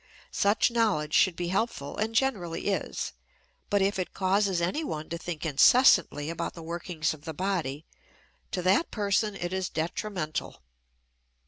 Such knowledge should be helpful, and generally is, but if it causes anyone to think incessantly about the workings of the body, to that person it is detrimental.